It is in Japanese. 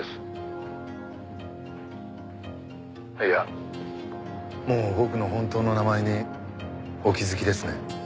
いやもう僕の本当の名前にお気づきですね。